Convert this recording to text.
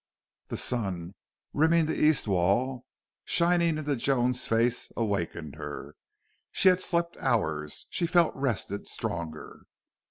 The sun, rimming the east wall, shining into Joan's face, awakened her. She had slept hours. She felt rested, stronger.